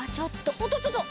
おっとっとっと！